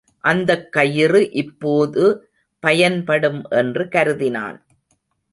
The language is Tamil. அந்தக் கயிறு இப்போது பயன்படும் என்று கருதினான்.